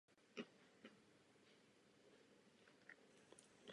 Na zádi je plošina a hangár pro uskladnění jednoho transportního vrtulníku Sea King.